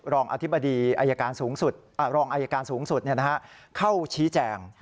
รองอธิบดีอายการสูงสุดรองอายการสูงสุดเข้าชี้แจง